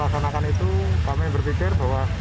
setelah melakukan itu kami berpikir bahwa